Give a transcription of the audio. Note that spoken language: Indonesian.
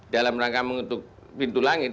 dalam rangka mengetuk pintu langit